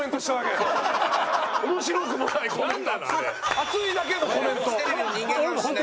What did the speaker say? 熱いだけのコメント。